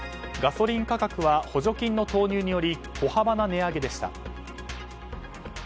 ガソリン価格は補助金の投入によって小幅な値上げでした。